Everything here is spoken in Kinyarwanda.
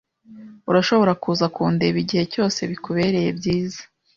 Urashobora kuza kundeba igihe cyose bikubereye byiza.